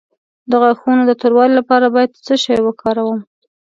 د غاښونو د توروالي لپاره باید څه شی وکاروم؟